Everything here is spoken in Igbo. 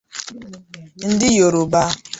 ndị Yoruba